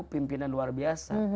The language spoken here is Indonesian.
pimpinan luar biasa